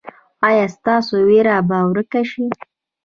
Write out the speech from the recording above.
ایا ستاسو ویره به ورکه شي؟